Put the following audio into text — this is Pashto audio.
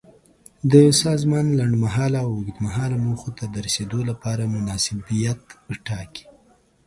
د سازمان لنډمهاله او اوږدمهاله موخو ته د رسیدو لپاره مناسبیت ټاکي.